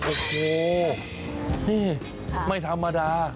โอ้โหนี่ไม่ธรรมดา